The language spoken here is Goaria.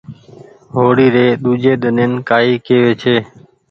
هوڙي ري ۮوجي ۮنين ڪآئي ڪيوي ڇي